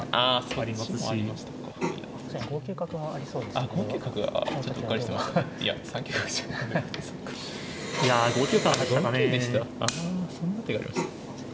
あそんな手がありましたか。